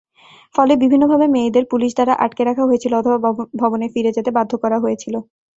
ফলে বিভিন্নভাবে মেয়েদের পুলিশ দ্বারা আটকে রাখা হয়েছিল, অথবা ভবনে ফিরে যেতে বাধ্য করা হয়েছিল।